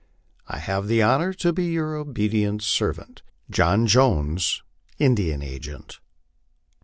I have the honor to be your obedient servant, JOHN JONES, Indian Agent.